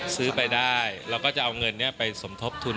ซื้อไปได้เราก็จะเอาเงินนี้ไปสมทบทุน